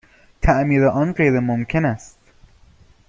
تعمیر آن غیرممکن است.